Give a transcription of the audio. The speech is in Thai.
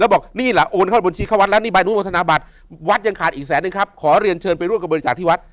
บอกนี่ล่ะโอนเข้าบัญชีเข้าวัดแล้วนี่ใบอนุโมทนาบัตรวัดยังขาดอีกแสนนึงครับขอเรียนเชิญไปร่วมกับบริจาคที่วัด